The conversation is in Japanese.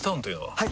はい！